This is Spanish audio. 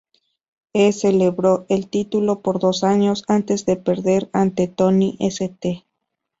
He celebró el título por dos años antes de perder ante Tony St.